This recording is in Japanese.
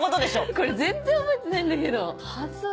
これ全然覚えてないんだけど恥ずっ！